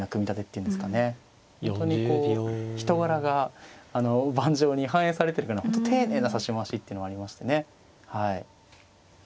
本当にこう人柄が盤上に反映されてるような本当丁寧な指し回しっていうのはありましてね。